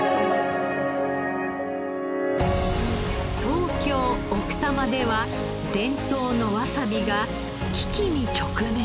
東京奥多摩では伝統のわさびが危機に直面。